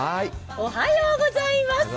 おはようございます。